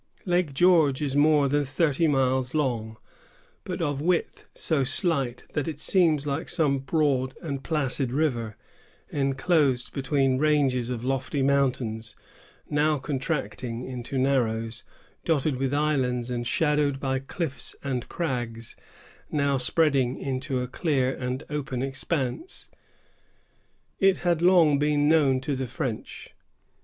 Lake George is more than thirty miles long, but of width so slight that it seems like some broad and placid river, enclosed between ranges of lofty mountains; now contracting into narrows, dotted with islands and shadowed by cliffs and crags, now spreading into a clear and open expanse. It had long been known to the French.